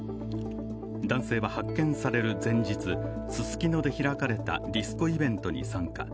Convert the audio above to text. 男性は発見される前日、ススキノで開かれたディスコイベントに参加。